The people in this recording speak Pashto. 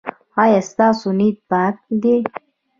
ایا ستاسو نیت پاک دی؟